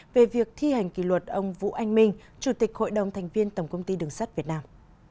về việc thi hành kỷ luật ông vũ anh minh chủ tịch hội đồng thành viên tổng công ty đường sắt việt nam